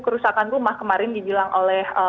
kerusakan rumah kemarin dibilang oleh